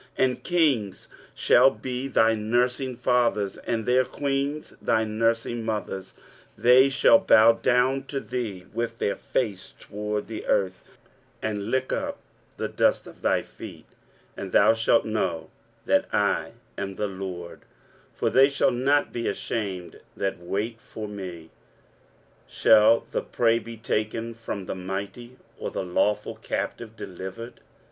23:049:023 And kings shall be thy nursing fathers, and their queens thy nursing mothers: they shall bow down to thee with their face toward the earth, and lick up the dust of thy feet; and thou shalt know that I am the LORD: for they shall not be ashamed that wait for me. 23:049:024 Shall the prey be taken from the mighty, or the lawful captive delivered?